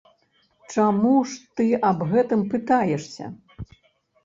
Чаму ж ты аб гэтым пытаешся?